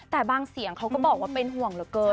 แต่บางเสียงเขาก็บอกว่าเป็นห่วงเหลือเกิน